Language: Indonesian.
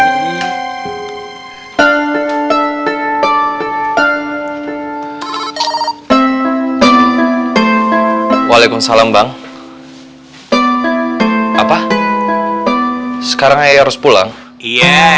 saat tau monty menjawab dis prove discutasi